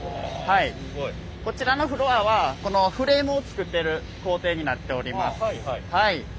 すごい。こちらのフロアはこのフレームをつくってる工程になっております。